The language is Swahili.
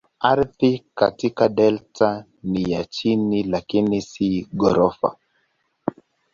Ardhi katika delta ni ya chini lakini si ghorofa.